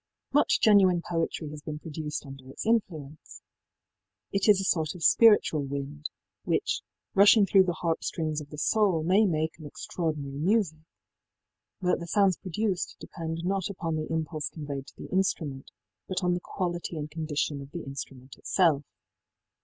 Much genuine poetry has been produced under its influence. It is a sort of spiritual wind, which, rushing through the harp strings of the soul, may make an extraordinary music. But the sounds produced depend not upon the impulse conveyed to the instrument, but on the quality and condition of the instrument itself.